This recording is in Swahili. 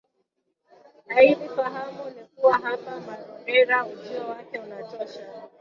hailifahamu ni kuwa hapa Marondera ujio wake unatosha